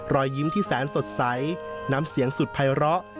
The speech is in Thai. รอยยิ้มที่แสนสดใสน้ำเสียงสุดภัยร้อ